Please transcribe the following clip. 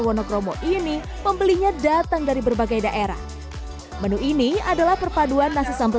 wodokromo ini pembelinya datang dari berbagai daerah menu ini adalah perpaduan nasi sambal